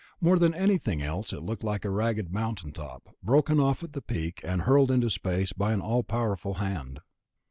More than anything else it looked like a ragged mountain top, broken off at the peak and hurled into space by an all powerful hand.